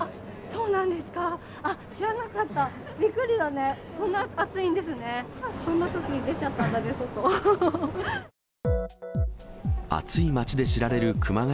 そんなときに出ちゃったんだね、外。